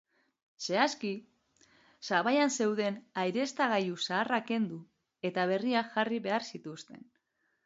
Zehazki, sabaian zeuden aireztagailu zaharrak kendu eta berriak jarri behar zituzten.